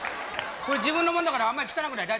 これ自分のもんだからあんまり汚くない。